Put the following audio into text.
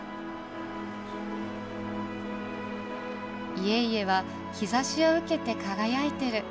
家々は日ざしを受けて輝いてる。